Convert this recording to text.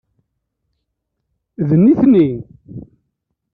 D nitni.